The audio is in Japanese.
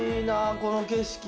この景色。